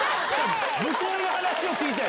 向こうの話を聞いてる。